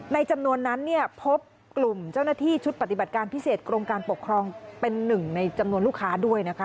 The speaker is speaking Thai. จำนวนนั้นเนี่ยพบกลุ่มเจ้าหน้าที่ชุดปฏิบัติการพิเศษกรมการปกครองเป็นหนึ่งในจำนวนลูกค้าด้วยนะคะ